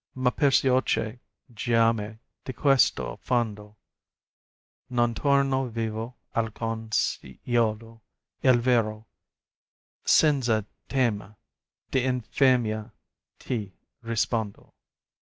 Ma perciocche giammai di questo fondo Non torno vivo alcun, s'i'odo il vero, Senza tema d'infamia ti rispondo.